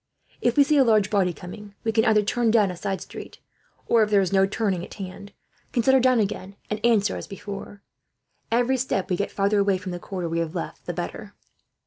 If we see a large body coming, we can either turn down a side street or, if there is no turning at hand, can set her down again and answer as before. Every step we get, farther away from the quarter we have left, the better."